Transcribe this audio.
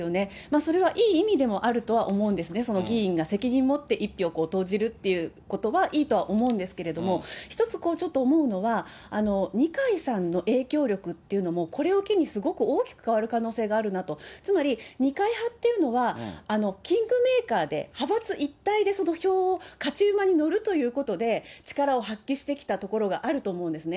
それはいい意味でもあるとは思うんですね、その議員が責任持って一票を投じるということはいいとは思うんですけれども、１つ、ちょっと思うのは、二階さんの影響力っていうのも、これを機にすごく大きく変わる可能性があるなと、つまり二階派っていうのは、キングメーカーで派閥一体でその票を勝ち馬に乗るということで、力を発揮してきたところがあると思うんですね。